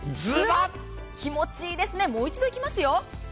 ズバっ、気持ちいいですね、もう一度いきますよ。